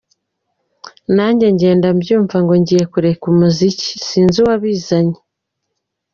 Nanjye ngenda mbyumva, ngo ngiye kureka umuziki, sinzi uwabizanye.